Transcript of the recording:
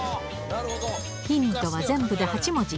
ヒントは全部で８文字。